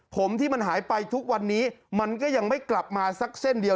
ผมที่มันหายไปทุกวันนี้มันก็ยังไม่กลับมาสักเส้นเดียว